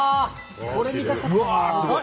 これ見たかったな。